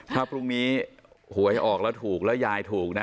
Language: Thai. ถ้าพรุ่งนี้หวยออกแล้วถูกแล้วยายถูกนะ